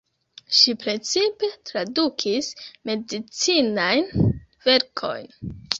Ŝi precipe tradukis medicinajn verkojn.